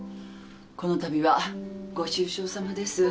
このたびはご愁傷さまです。